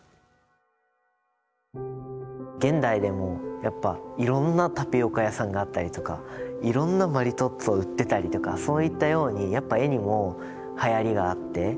現代でもやっぱいろんなタピオカ屋さんがあったりとかいろんなマリトッツォを売ってたりとかそういったようにやっぱ絵にもはやりがあって。